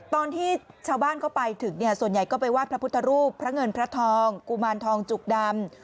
ตอนที่ชาวบ้านเข้าไปถึงเนี่ยส่วนใหญ่ก็ไปไห้พระพุทธรูปพระเงินพระทองกุมารทองจุกดำ